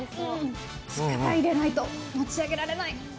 力入れないと持ち上げられない。